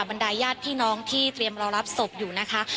บรรดายญาติพี่น้องที่เตรียมรอรับศพอยู่นะคะ